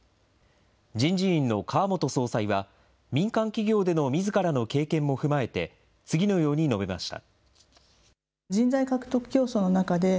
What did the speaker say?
人事院の川本総裁は、民間企業でのみずからの経験も踏まえて、次のように述べました。